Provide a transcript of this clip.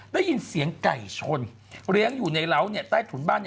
ได้ยินเสียงไก่ชนเลี้ยงอยู่ในเล้าใต้ถุนบ้าน